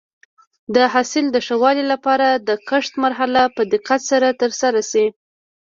د حاصل د ښه والي لپاره د کښت مرحله په دقت سره ترسره شي.